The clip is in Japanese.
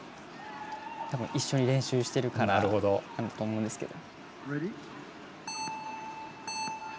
一緒に練習しているからだと思うんですけど。